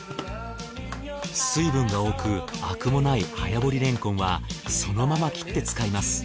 水分が多くアクもない早掘りれんこんはそのまま切って使います。